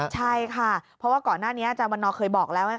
ใช่ค่ะเพราะว่าก่อนหน้านี้อาจารย์วันนอเคยบอกแล้วไง